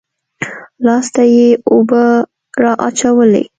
لاس ته يې اوبه رااچولې.